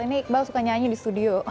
ini iqbal suka nyanyi di studio